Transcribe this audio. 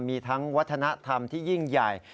มีทั้งวัฒนธรรมที่ยิ่งใหญ่